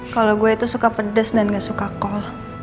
kalau gue itu suka pedes dan gak suka kol